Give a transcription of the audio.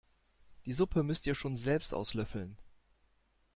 Die Suppe müsst ihr schon selbst auslöffeln!